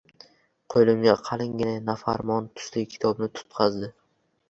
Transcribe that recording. Qo‘limga qalingina nafarmon tusli kitobni tutqazdi.